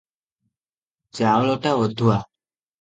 ଚାଉଳଟା ଅଧୂଆ ।